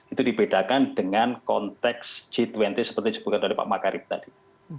itu dibedakan dengan konteks g dua puluh seperti disebutkan oleh pak makarim tadi